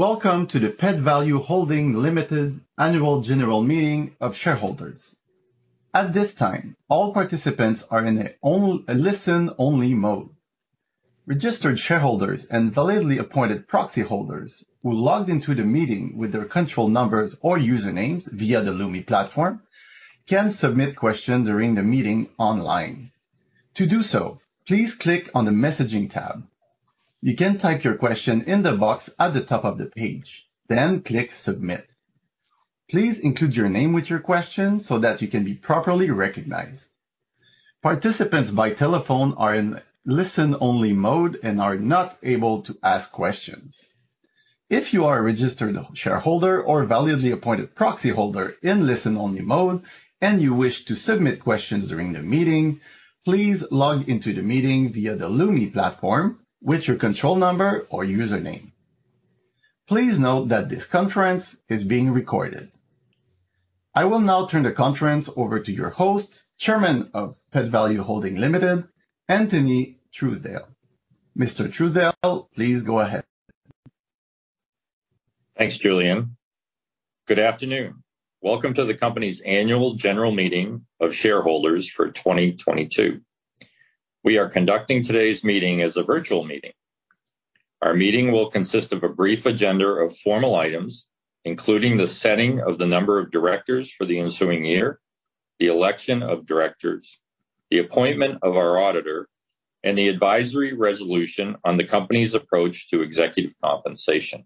Greetings. Welcome to the Pet Valu Holdings Ltd. Annual General Meeting of Shareholders. At this time, all participants are in a listen only mode. Registered shareholders and validly appointed proxy holders who logged into the meeting with their control numbers or usernames via the Lumi Platform can submit questions during the meeting online. To do so, please click on the messaging tab. You can type your question in the box at the top of the page, click Submit. Please include your name with your question so that you can be properly recognized. Participants by telephone are in listen only mode and are not able to ask questions. If you are a registered shareholder or validly appointed proxy holder in listen only mode and you wish to submit questions during the meeting, please log into the meeting via the Lumi Platform with your control number or username. Please note that this conference is being recorded. I will now turn the conference over to your host, Chairman of Pet Valu Holdings Ltd., Anthony Truesdale. Mr. Truesdale, please go ahead. Thanks, Julian. Good afternoon. Welcome to the company's annual general meeting of shareholders for 2022. We are conducting today's meeting as a virtual meeting. Our meeting will consist of a brief agenda of formal items, including the setting of the number of directors for the ensuing year, the election of directors, the appointment of our auditor, and the advisory resolution on the company's approach to executive compensation.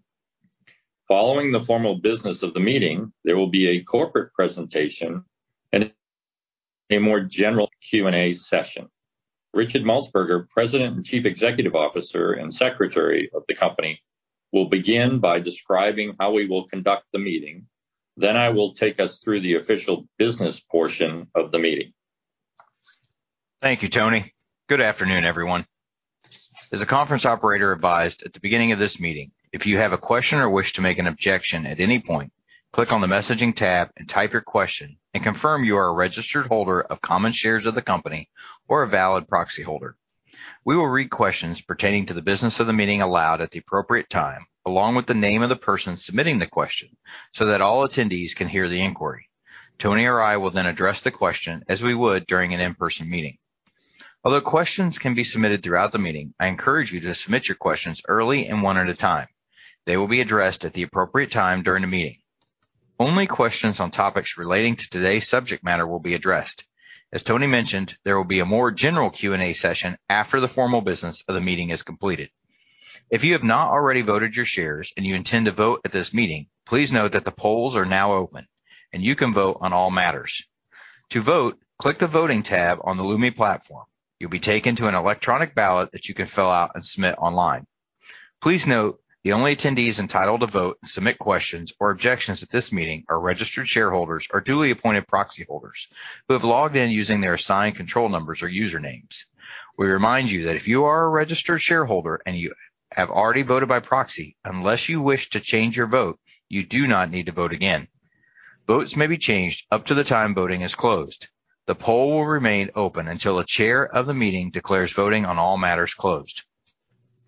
Following the formal business of the meeting, there will be a corporate presentation and a more general Q&A session. Richard Maltsbarger, President and Chief Executive Officer and Secretary of the company, will begin by describing how we will conduct the meeting. I will take us through the official business portion of the meeting. Thank you, Tony. Good afternoon, everyone. As the conference operator advised at the beginning of this meeting, if you have a question or wish to make an objection at any point, click on the messaging tab and type your question and confirm you are a registered holder of common shares of the company or a valid proxy holder. We will read questions pertaining to the business of the meeting aloud at the appropriate time, along with the name of the person submitting the question so that all attendees can hear the inquiry. Tony or I will then address the question as we would during an in-person meeting. Although questions can be submitted throughout the meeting, I encourage you to submit your questions early and one at a time. They will be addressed at the appropriate time during the meeting. Only questions on topics relating to today's subject matter will be addressed. As Tony mentioned, there will be a more general Q&A session after the formal business of the meeting is completed. If you have not already voted your shares and you intend to vote at this meeting, please note that the polls are now open and you can vote on all matters. To vote, click the Voting tab on the Lumi platform. You'll be taken to an electronic ballot that you can fill out and submit online. Please note the only attendees entitled to vote, submit questions or objections at this meeting are registered shareholders or duly appointed proxy holders who have logged in using their assigned control numbers or usernames. We remind you that if you are a registered shareholder and you have already voted by proxy, unless you wish to change your vote, you do not need to vote again. Votes may be changed up to the time voting is closed. The poll will remain open until a chair of the meeting declares voting on all matters closed.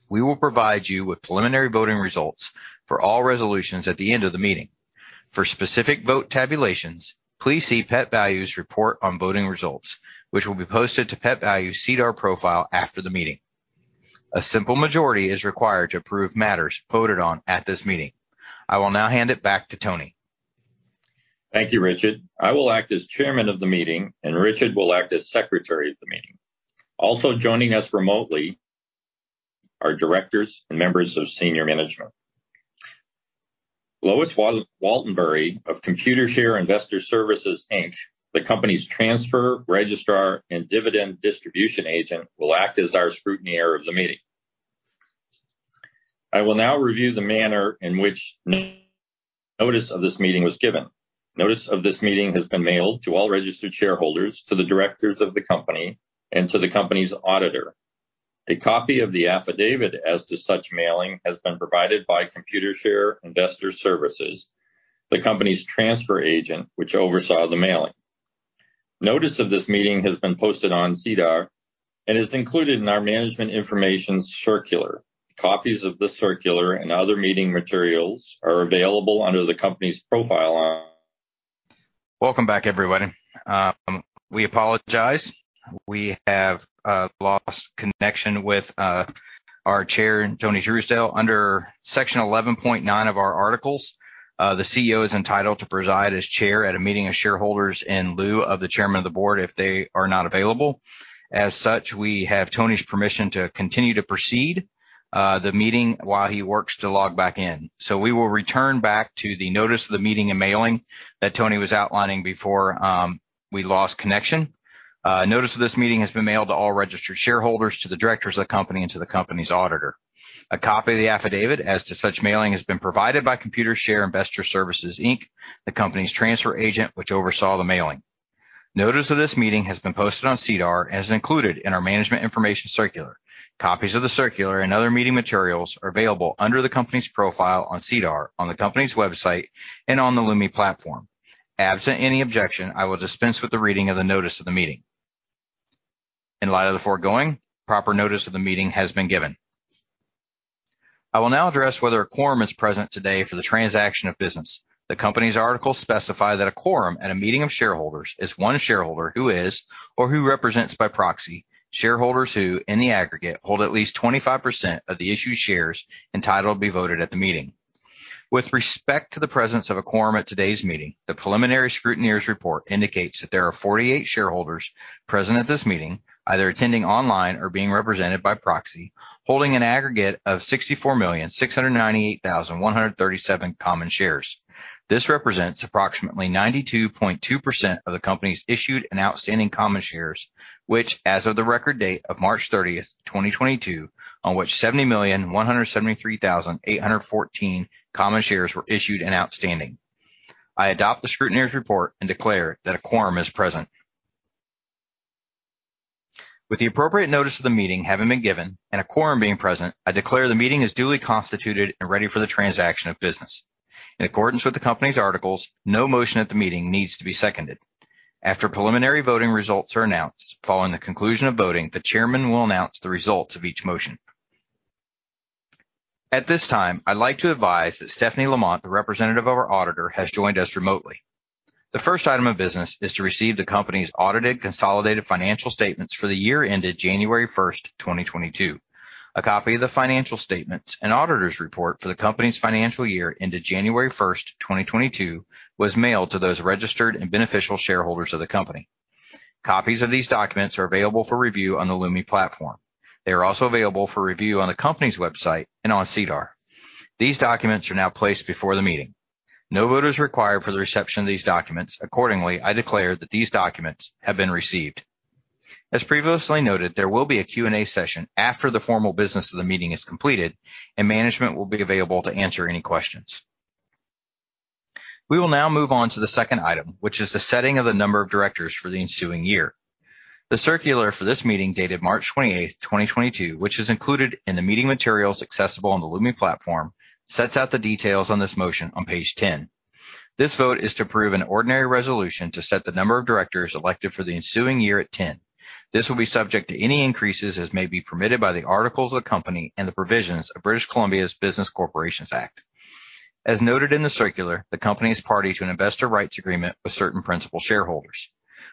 We will provide you with preliminary voting results for all resolutions at the end of the meeting. For specific vote tabulations, please see Pet Valu's report on voting results, which will be posted to Pet Valu SEDAR profile after the meeting. A simple majority is required to approve matters voted on at this meeting. I will now hand it back to Tony. Thank you, Richard. I will act as chairman of the meeting and Richard will act as secretary of the meeting. Also joining us remotely are directors and members of senior management. Louise Waltenbury of Computershare Investor Services Inc., the company's transfer, registrar and dividend distribution agent, will act as our scrutineer of the meeting. I will now review the manner in which no notice of this meeting was given. Notice of this meeting has been mailed to all registered shareholders, to the directors of the company and to the company's auditor. A copy of the affidavit as to such mailing has been provided by Computershare Investor Services, the company's transfer agent, which oversaw the mailing. Notice of this meeting has been posted on SEDAR and is included in our management information circular. Copies of the circular and other meeting materials are available under the company's profile. Welcome back, everybody. We apologize. We have lost connection with our chair, Tony Truesdale. Under Section 11.9 of our articles, the CEO is entitled to preside as chair at a meeting of shareholders in lieu of the chairman of the board if they are not available. We have Tony's permission to continue to proceed the meeting while he works to log back in. We will return back to the notice of the meeting and mailing that Tony was outlining before we lost connection. Notice of this meeting has been mailed to all registered shareholders, to the directors of the company, and to the company's auditor. A copy of the affidavit as to such mailing has been provided by Computershare Investor Services, Inc., the company's transfer agent, which oversaw the mailing. Notice of this meeting has been posted on SEDAR and is included in our management information circular. Copies of the circular and other meeting materials are available under the company's profile on SEDAR, on the company's website and on the Lumi platform. Absent any objection, I will dispense with the reading of the notice of the meeting. In light of the foregoing, proper notice of the meeting has been given. I will now address whether a quorum is present today for the transaction of business. The company's articles specify that a quorum at a meeting of shareholders is one shareholder who is, or who represents by proxy, shareholders who, in the aggregate, hold at least 25% of the issued shares entitled to be voted at the meeting. With respect to the presence of a quorum at today's meeting, the preliminary scrutineer's report indicates that there are 48 shareholders present at this meeting, either attending online or being represented by proxy, holding an aggregate of 64,698,137 common shares. This represents approximately 92.2% of the company's issued and outstanding common shares, which as of the record date of 30 March, 2022, on which 70,173,814 common shares were issued and outstanding. I adopt the scrutineer's report and declare that a quorum is present. With the appropriate notice of the meeting having been given and a quorum being present, I declare the meeting is duly constituted and ready for the transaction of business. In accordance with the company's articles, no motion at the meeting needs to be seconded. After preliminary voting results are announced, following the conclusion of voting, the chairman will announce the results of each motion. At this time, I'd like to advise that Stephanie Lamont, the representative of our auditor, has joined us remotely. The first item of business is to receive the company's audited consolidated financial statements for the year ended January first, 2022. A copy of the financial statements and auditor's report for the company's financial year ended January first, 2022, was mailed to those registered and beneficial shareholders of the company. Copies of these documents are available for review on the Lumi platform. They are also available for review on the company's website and on SEDAR. These documents are now placed before the meeting. No vote is required for the reception of these documents. Accordingly, I declare that these documents have been received. As previously noted, there will be a Q&A session after the formal business of the meeting is completed, and management will be available to answer any questions. We will now move on to the second item, which is the setting of the number of directors for the ensuing year. The circular for this meeting, dated March 28, 2022, which is included in the meeting materials accessible on the Lumi platform, sets out the details on this motion on page 10. This vote is to prove an ordinary resolution to set the number of directors elected for the ensuing year at 10. This will be subject to any increases as may be permitted by the articles of the company and the provisions of British Columbia's Business Corporations Act. As noted in the circular, the company is party to an investor rights agreement with certain principal shareholders.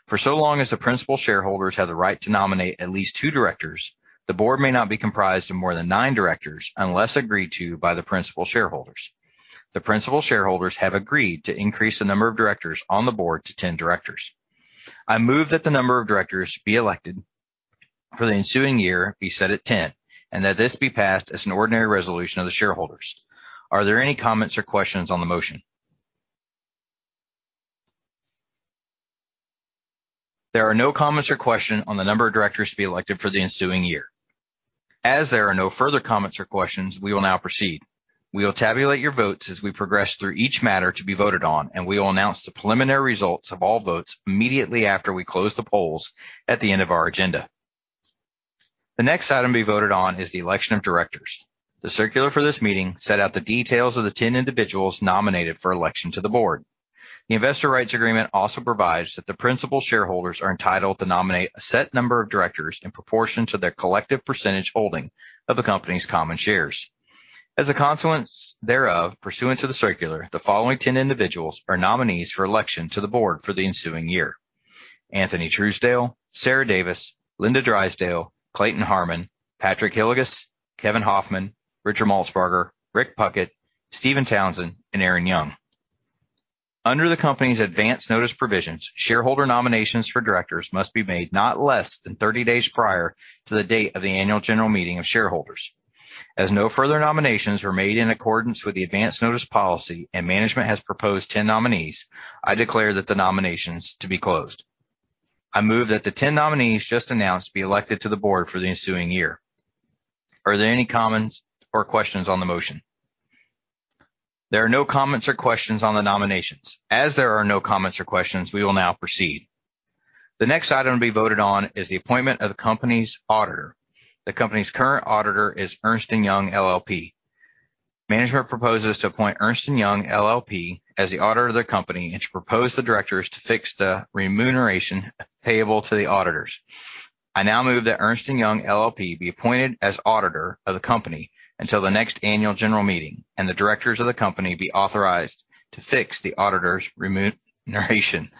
For so long as the principal shareholders have the right to nominate at least two directors, the board may not be comprised of more than nine directors unless agreed to by the principal shareholders. The principal shareholders have agreed to increase the number of directors on the board to 10 directors. I move that the number of directors be elected for the ensuing year be set at 10 and that this be passed as an ordinary resolution of the shareholders. Are there any comments or questions on the motion? There are no comments or questions on the number of directors to be elected for the ensuing year. As there are no further comments or questions, we will now proceed. We will tabulate your votes as we progress through each matter to be voted on, and we will announce the preliminary results of all votes immediately after we close the polls at the end of our agenda. The next item to be voted on is the election of directors. The circular for this meeting set out the details of the 10 individuals nominated for election to the board. The investor rights agreement also provides that the principal shareholders are entitled to nominate a set number of directors in proportion to their collective percentage holding of the company's common shares. As a consequence thereof, pursuant to the circular, the following 10 individuals are nominees for election to the board for the ensuing year: Anthony Truesdale, Sarah Davis, Linda Drysdale, Clayton Harmon, Patrick Hillegass, Kevin Hofmann, Richard Maltsbarger, Rick Puckett, Steven Townsend, and Erin Young. Under the company's advance notice provisions, shareholder nominations for directors must be made not less than 30 days prior to the date of the annual general meeting of shareholders. No further nominations were made in accordance with the advance notice policy and management has proposed 10 nominees, I declare that the nominations to be closed. I move that the 10 nominees just announced be elected to the board for the ensuing year. Are there any comments or questions on the motion? There are no comments or questions on the nominations. There are no comments or questions, we will now proceed. The next item to be voted on is the appointment of the company's auditor. The company's current auditor is Ernst & Young LLP. Management proposes to appoint Ernst & Young LLP as the auditor of the company and to propose the directors to fix the remuneration payable to the auditors. I now move that Ernst & Young LLP be appointed as auditor of the company until the next annual general meeting and the directors of the company be authorized to fix the auditor's remuneration.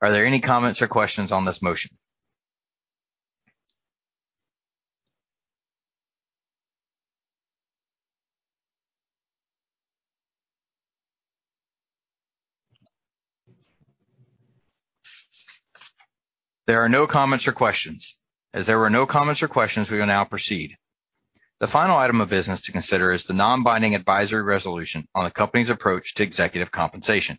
Are there any comments or questions on this motion? There are no comments or questions. As there are no comments or questions, we will now proceed. The final item of business to consider is the non-binding advisory resolution on the company's approach to executive compensation.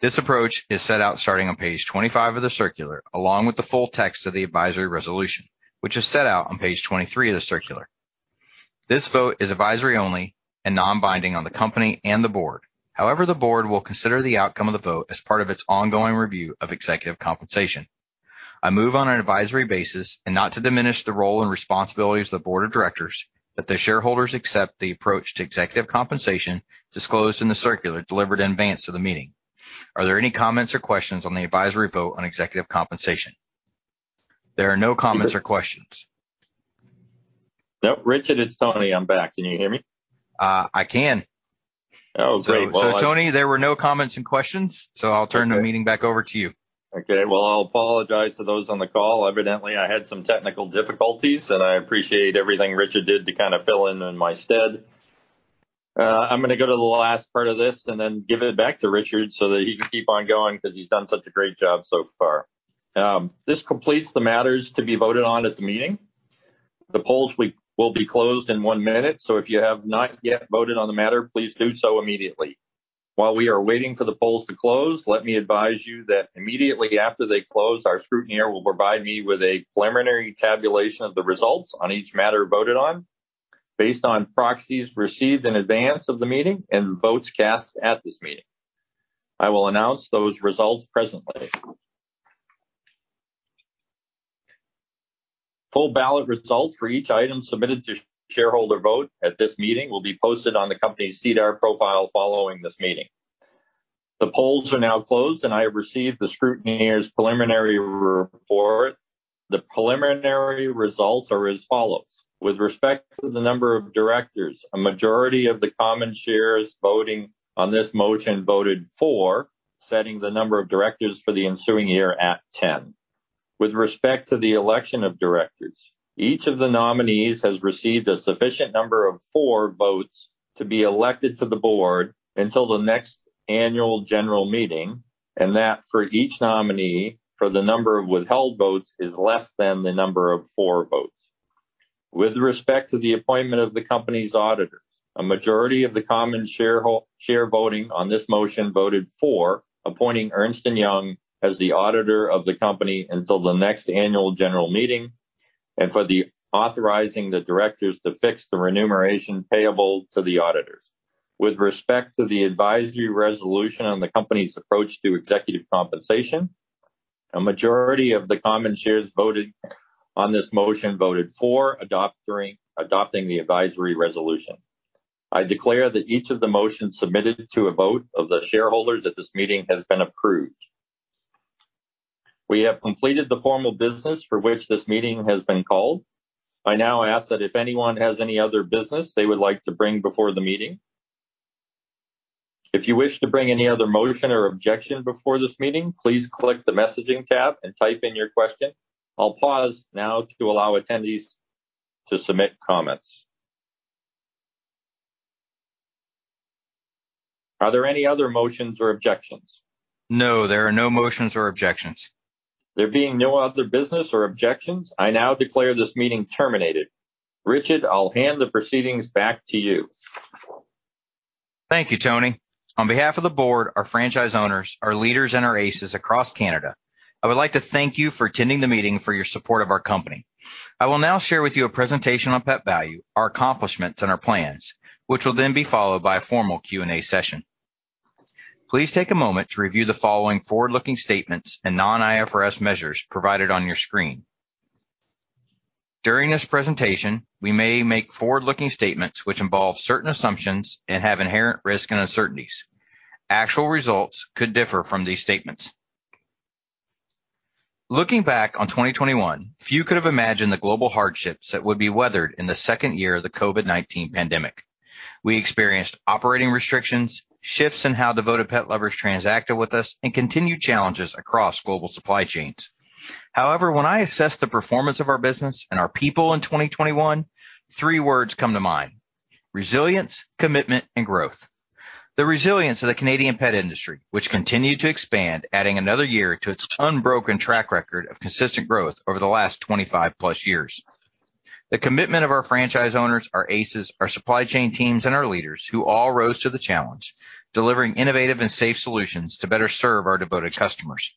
This approach is set out starting on page 25 of the circular, along with the full text of the advisory resolution, which is set out on page 23 of the circular. This vote is advisory only and non-binding on the company and the board. However, the board will consider the outcome of the vote as part of its ongoing review of executive compensation. I move on an advisory basis and not to diminish the role and responsibilities of the board of directors that the shareholders accept the approach to executive compensation disclosed in the circular delivered in advance of the meeting. Are there any comments or questions on the advisory vote on executive compensation? There are no comments or questions. Yep, Richard, it's Tony. I'm back. Can you hear me? I can. Oh, great. Well. Tony, there were no comments and questions, so I'll turn the meeting back over to you. Okay. Well, I'll apologize to those on the call. Evidently, I had some technical difficulties. I appreciate everything Richard did to kind of fill in in my stead. I'm gonna go to the last part of this. Then give it back to Richard so that he can keep on going 'cause he's done such a great job so far. This completes the matters to be voted on at the meeting. The polls will be closed in one minute. If you have not yet voted on the matter, please do so immediately. While we are waiting for the polls to close, let me advise you that immediately after they close, our scrutineer will provide me with a preliminary tabulation of the results on each matter voted on based on proxies received in advance of the meeting and votes cast at this meeting. I will announce those results presently. Full ballot results for each item submitted to shareholder vote at this meeting will be posted on the company's SEDAR profile following this meeting. The polls are now closed, and I have received the scrutineer's preliminary report. The preliminary results are as follows. With respect to the number of directors, a majority of the common shares voting on this motion voted for setting the number of directors for the ensuing year at 10. With respect to the election of directors, each of the nominees has received a sufficient number of four votes to be elected to the board until the next annual general meeting, and that for each nominee for the number of withheld votes is less than the number of four votes. With respect to the appointment of the company's auditors, a majority of the common share voting on this motion voted for appointing Ernst & Young as the auditor of the company until the next annual general meeting and for authorizing the directors to fix the remuneration payable to the auditors. With respect to the advisory resolution on the company's approach to executive compensation, a majority of the common shares voted on this motion voted for adopting the advisory resolution. I declare that each of the motions submitted to a vote of the shareholders at this meeting has been approved. We have completed the formal business for which this meeting has been called. I now ask that if anyone has any other business they would like to bring before the meeting. If you wish to bring any other motion or objection before this meeting, please click the messaging tab and type in your question. I'll pause now to allow attendees to submit comments. Are there any other motions or objections? No, there are no motions or objections. There being no other business or objections, I now declare this meeting terminated. Richard, I'll hand the proceedings back to you. Thank you, Tony. On behalf of the board, our franchise owners, our leaders, and our ACES across Canada, I would like to thank you for attending the meeting for your support of our company. I will now share with you a presentation on Pet Valu, our accomplishments, and our plans, which will then be followed by a formal Q&A session. Please take a moment to review the following forward-looking statements and non-IFRS measures provided on your screen. During this presentation, we may make forward-looking statements which involve certain assumptions and have inherent risks and uncertainties. Actual results could differ from these statements. Looking back on 2021, few could have imagined the global hardships that would be weathered in the second year of the COVID-19 pandemic. We experienced operating restrictions, shifts in how devoted pet lovers transacted with us, and continued challenges across global supply chains. When I assess the performance of our business and our people in 2021, three words come to mind: resilience, commitment, and growth. The resilience of the Canadian pet industry, which continued to expand, adding another year to its unbroken track record of consistent growth over the last 25+ years. The commitment of our franchise owners, our ACES, our supply chain teams, and our leaders, who all rose to the challenge, delivering innovative and safe solutions to better serve our devoted customers.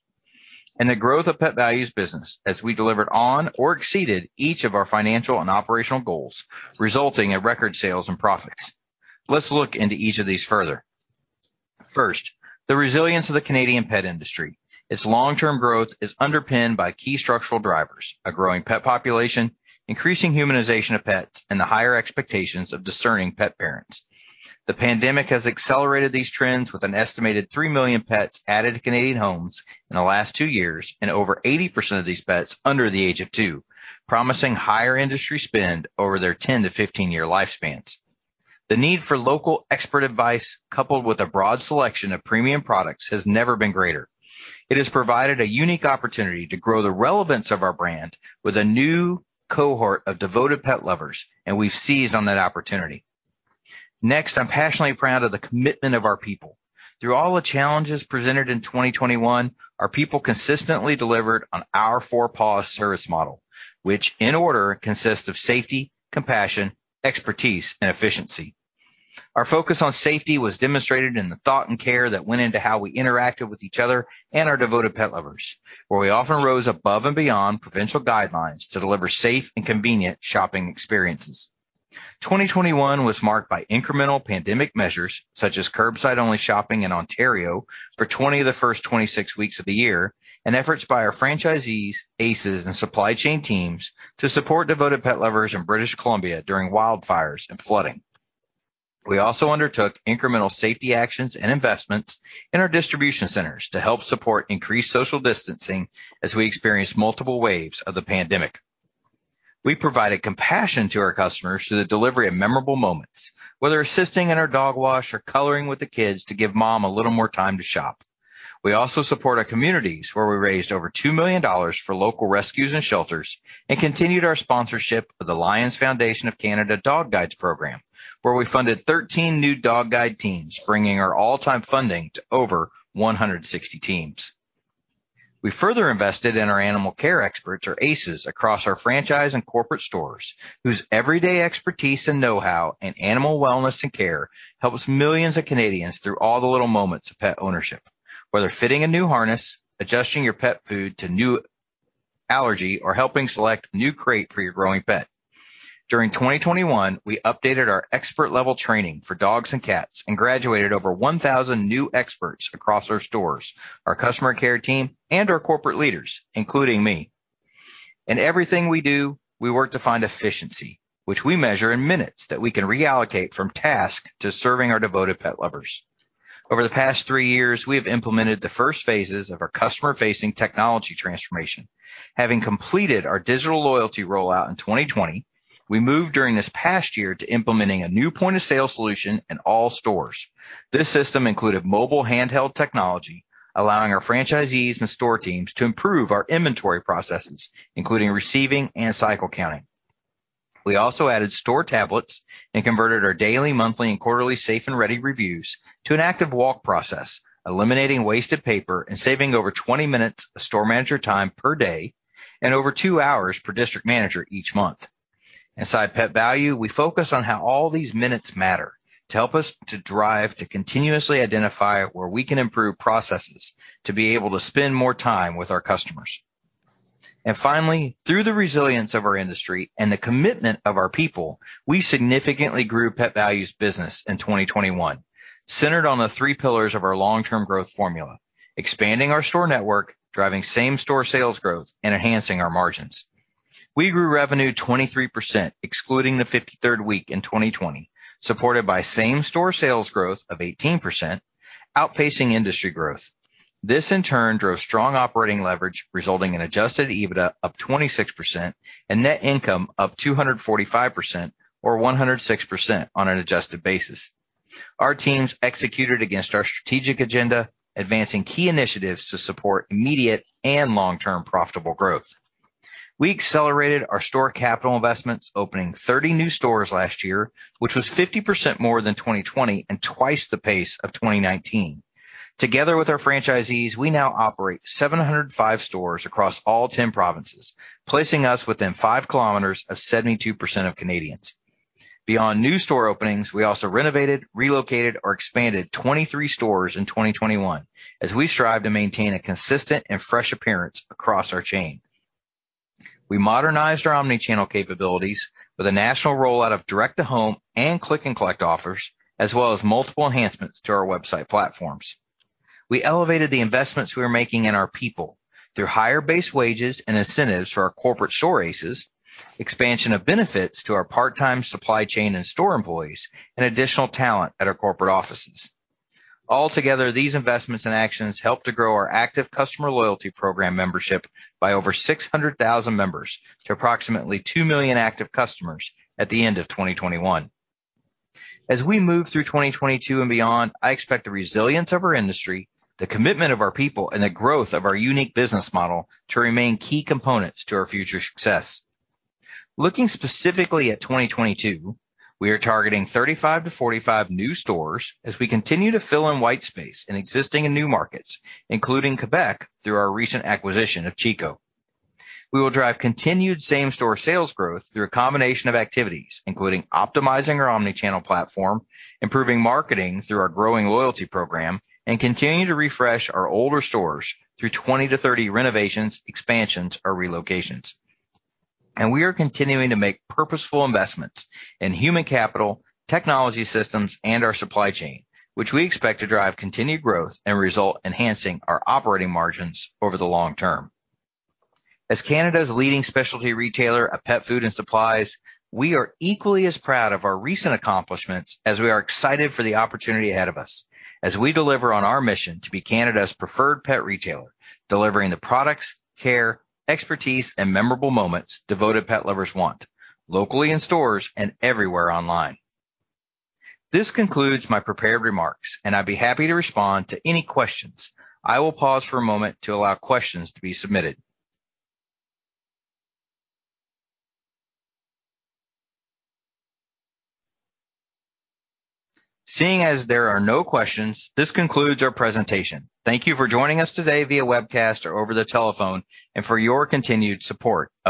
The growth of Pet Valu's business as we delivered on or exceeded each of our financial and operational goals, resulting in record sales and profits. Let's look into each of these further. First, the resilience of the Canadian pet industry. Its long-term growth is underpinned by key structural drivers, a growing pet population, increasing humanization of pets, and the higher expectations of discerning pet parents. The pandemic has accelerated these trends with an estimated 3 million pets added to Canadian homes in the last two years and over 80% of these pets under the age of two, promising higher industry spend over their 10-15-year lifespans. The need for local expert advice, coupled with a broad selection of premium products, has never been greater. It has provided a unique opportunity to grow the relevance of our brand with a new cohort of devoted pet lovers. We've seized on that opportunity. Next, I'm passionately proud of the commitment of our people. Through all the challenges presented in 2021, our people consistently delivered on our Four Paws service model, which in order consists of safety, compassion, expertise, and efficiency. Our focus on safety was demonstrated in the thought and care that went into how we interacted with each other and our devoted pet lovers, where we often rose above and beyond provincial guidelines to deliver safe and convenient shopping experiences. 2021 was marked by incremental pandemic measures such as curbside-only shopping in Ontario for 20 of the first 26 weeks of the year, and efforts by our franchisees, ACES, and supply chain teams to support devoted pet lovers in British Columbia during wildfires and flooding. We also undertook incremental safety actions and investments in our distribution centers to help support increased social distancing as we experienced multiple waves of the pandemic. We provided compassion to our customers through the delivery of memorable moments, whether assisting in our dog wash or coloring with the kids to give mom a little more time to shop. We also support our communities, where we raised over 2 million dollars for local rescues and shelters and continued our sponsorship of the Lions Foundation of Canada Dog Guides program, where we funded 13 new dog guide teams, bringing our all-time funding to over 160 teams. We further invested in our animal care experts, or ACES, across our franchise and corporate stores, whose everyday expertise and know-how in animal wellness and care helps millions of Canadians through all the little moments of pet ownership, whether fitting a new harness, adjusting your pet food to new allergy, or helping select new crate for your growing pet. During 2021, we updated our expert-level training for dogs and cats and graduated over 1,000 new experts across our stores, our customer care team, and our corporate leaders, including me. In everything we do, we work to find efficiency, which we measure in minutes that we can reallocate from task to serving our devoted pet lovers. Over the past three years, we have implemented the first phases of our customer-facing technology transformation. Having completed our digital loyalty rollout in 2020, we moved during this past year to implementing a new point-of-sale solution in all stores. This system included mobile handheld technology, allowing our franchisees and store teams to improve our inventory processes, including receiving and cycle counting. We also added store tablets and converted our daily, monthly, and quarterly safe and ready reviews to an active walk process, eliminating wasted paper and saving over 20 minutes of store manager time per day and over two hours per district manager each month. Inside Pet Valu, we focus on how all these minutes matter to help us to drive to continuously identify where we can improve processes to be able to spend more time with our customers. Finally, through the resilience of our industry and the commitment of our people, we significantly grew Pet Valu's business in 2021, centered on the three pillars of our long-term growth formula: expanding our store network, driving same-store sales growth, and enhancing our margins. We grew revenue 23%, excluding the 53rd week in 2020, supported by same-store sales growth of 18%, outpacing industry growth. This, in turn, drove strong operating leverage, resulting in adjusted EBITDA up 26% and net income up 245% or 106% on an adjusted basis. Our teams executed against our strategic agenda, advancing key initiatives to support immediate and long-term profitable growth. We accelerated our store capital investments, opening 30 new stores last year, which was 50% more than 2020 and twice the pace of 2019. Together with our franchisees, we now operate 705 stores across all 10 provinces, placing us within 5 km of 72% of Canadians. Beyond new store openings, we also renovated, relocated, or expanded 23 stores in 2021, as we strive to maintain a consistent and fresh appearance across our chain. We modernized our omni-channel capabilities with a national rollout of direct-to-home and click-and-collect offers, as well as multiple enhancements to our website platforms. We elevated the investments we are making in our people through higher base wages and incentives for our corporate store ACES, expansion of benefits to our part-time supply chain and store employees, and additional talent at our corporate offices. Altogether, these investments and actions helped to grow our active customer loyalty program membership by over 600,000 members to approximately two million active customers at the end of 2021. As we move through 2022 and beyond, I expect the resilience of our industry, the commitment of our people, and the growth of our unique business model to remain key components to our future success. Looking specifically at 2022, we are targeting 35-45 new stores as we continue to fill in white space in existing and new markets, including Québec, through our recent acquisition of Chico. We will drive continued same-store sales growth through a combination of activities, including optimizing our omni-channel platform, improving marketing through our growing loyalty program, and continuing to refresh our older stores through 20-30 renovations, expansions or relocations. We are continuing to make purposeful investments in human capital, technology systems, and our supply chain, which we expect to drive continued growth and result enhancing our operating margins over the long term. As Canada's leading specialty retailer of pet food and supplies, we are equally as proud of our recent accomplishments as we are excited for the opportunity ahead of us as we deliver on our mission to be Canada's preferred pet retailer, delivering the products, care, expertise, and memorable moments devoted pet lovers want, locally in stores and everywhere online. This concludes my prepared remarks, and I'd be happy to respond to any questions. I will pause for a moment to allow questions to be submitted. Seeing as there are no questions, this concludes our presentation. Thank you for joining us today via webcast or over the telephone and for your continued support of.